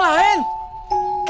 gak ada siapa siapa